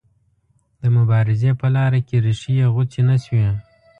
د مبارزې په لاره کې ریښې یې غوڅې نه شوې.